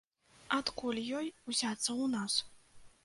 Адкуль ёй узяцца ў нас?